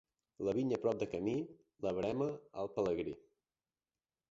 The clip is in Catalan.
La vinya prop de camí, la verema al pelegrí.